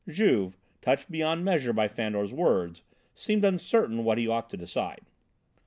Juve, touched beyond measure by Fandor's words, seemed uncertain what he ought to decide.